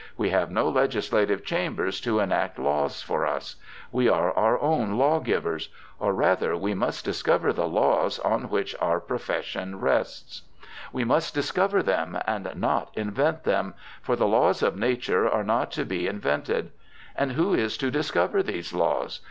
We have no legislative chambers to enact laws for us. We are our own law 202 BIOGRAPHICAL ESSAYS givers ; or rather, we must discover the laws on which our profession rests. We must discover them and not invent them ; for the laws of nature are not to be in vented. And who is to discover these laws?